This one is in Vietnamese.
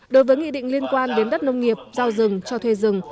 đối với nghị định liên quan đến đất nông nghiệp giao rừng cho thuê rừng